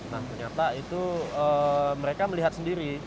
nah ternyata itu mereka melihat sendiri